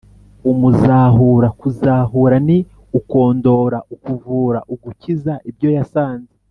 Umuzahura: kuzahura ni ukondora, ukuvura, ugukiza. Ibyo yasanze